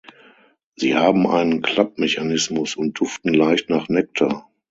Sie haben einen Klappmechanismus und duften leicht nach Nektar.